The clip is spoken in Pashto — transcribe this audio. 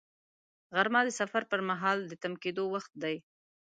غرمه د سفر پر مهال د تم کېدو وخت دی